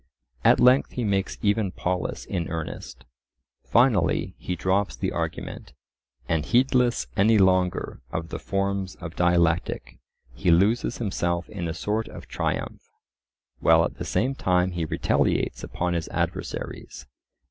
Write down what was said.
At length he makes even Polus in earnest. Finally, he drops the argument, and heedless any longer of the forms of dialectic, he loses himself in a sort of triumph, while at the same time he retaliates upon his adversaries.